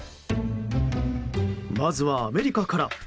まずは、アメリカから。